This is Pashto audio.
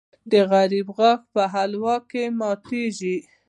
د غریب غاښ په حلوا کې ماتېږي.